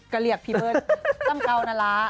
กะเหลี่ยกพี่เบิร์ดต้ำเกานาระ